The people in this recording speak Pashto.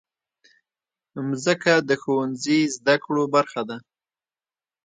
مځکه د ښوونځي زدهکړو برخه ده.